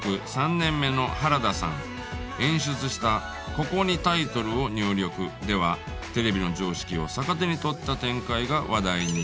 演出した「ここにタイトルを入力」ではテレビの常識を逆手に取った展開が話題に。